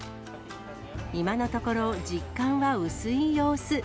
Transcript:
今のところ、実感は薄い様子。